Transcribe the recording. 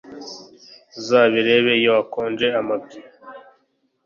Uzabirebe iyo wakonje amabya